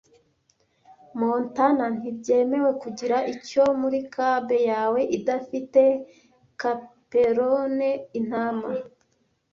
Montana ntibyemewe kugira icyo muri cab yawe idafite chaperone Intama